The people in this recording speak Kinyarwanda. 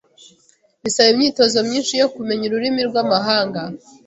Bisaba imyitozo myinshi yo kumenya ururimi rwamahanga.